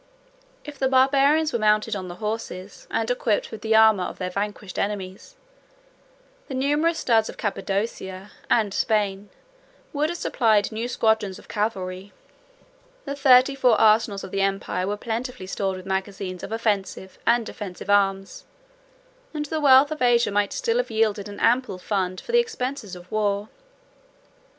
If the Barbarians were mounted on the horses, and equipped with the armor, of their vanquished enemies, the numerous studs of Cappadocia and Spain would have supplied new squadrons of cavalry; the thirty four arsenals of the empire were plentifully stored with magazines of offensive and defensive arms: and the wealth of Asia might still have yielded an ample fund for the expenses of the war.